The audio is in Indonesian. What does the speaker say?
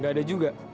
gak ada juga